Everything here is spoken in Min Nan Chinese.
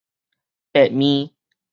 白麵